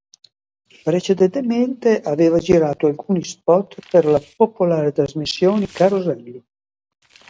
Precedentemente aveva girato alcuni spot per la popolare trasmissione "Carosello".